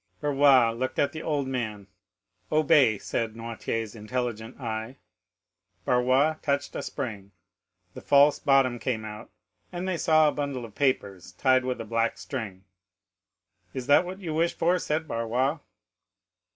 Barrois looked at the old man. "Obey," said Noirtier's intelligent eye. Barrois touched a spring, the false bottom came out, and they saw a bundle of papers tied with a black string. "Is that what you wish for?" said Barrois.